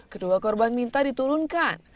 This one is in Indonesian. kedua korban minta diturunkan